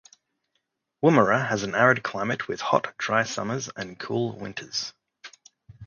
Woomera has an arid climate with hot, dry summers and cool winters.